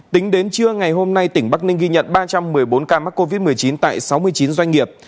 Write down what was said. tính đến trưa ngày hôm nay tỉnh bắc ninh ghi nhận ba trăm một mươi bốn ca mắc covid một mươi chín tại sáu mươi chín doanh nghiệp